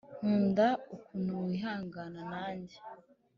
nkunda ukuntu wihangana nanjye